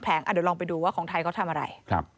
เดี๋ยวลองไปดูว่าของไทยเขาทำอะไร